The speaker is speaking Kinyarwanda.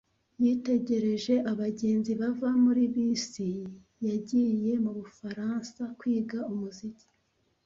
Yitegereje abagenzi bava muri bisi. Yagiye mu Bufaransa kwiga umuziki.